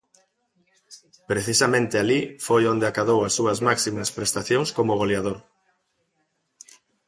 Precisamente alí foi onde acadou as súas máximas prestacións como goleador.